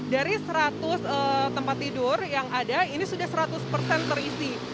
dari seratus tempat tidur yang ada ini sudah seratus persen terisi